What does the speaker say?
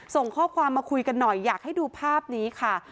ส่งข้อความมาคุยกันหน่อยอยากให้ดูภาพนี้ค่ะ